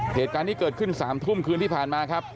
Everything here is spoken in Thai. เหตุการณ์นี้เกิดขึ้น๓ทุ่มคืนที่ผ่านมาครับ